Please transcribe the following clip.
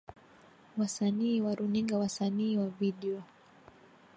wasanii wa runinga wasanii wa video